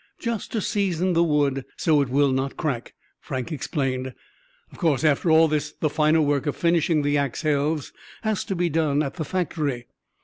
"Just to season the wood so it will not crack," Frank explained. "Of course, after all this the finer work of finishing the ax helves has to be done at the factory.